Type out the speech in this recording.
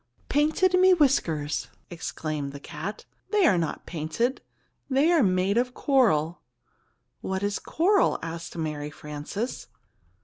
"Painted, me whiskers!" exclaimed the cat. "They are not painted. They are made of coral." "What is coral?" asked Mary Frances.